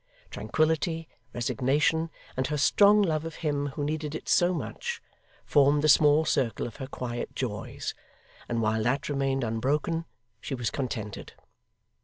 Tranquillity, resignation, and her strong love of him who needed it so much, formed the small circle of her quiet joys; and while that remained unbroken, she was contented.